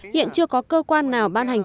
hiện chưa có cơ quan nào ban hành